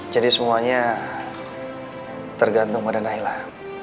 jadi semuanya tergantung pada nailah